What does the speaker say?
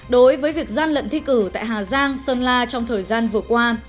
đối với việc gian lận thi cử tại hà giang sơn la trong thời gian vừa qua